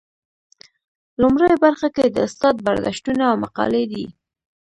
لومړۍ برخه کې د استاد برداشتونه او مقالې دي.